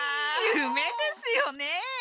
ゆめですよね。